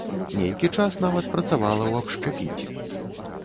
Нейкі час нават працавала ў абшчэпіце.